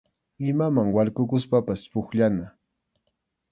Imaman warkukuspapas pukllana.